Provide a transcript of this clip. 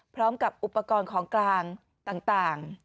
พร้อมกับอุปกรณ์ของกลางต่าง